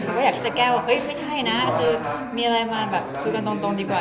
แต่ก็อยากจะแก้วว่าไม่ใช่นะคือมีอะไรมาคุยกันตรงดีกว่า